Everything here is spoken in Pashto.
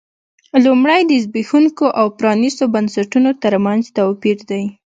لومړی د زبېښونکو او پرانیستو بنسټونو ترمنځ توپیر دی.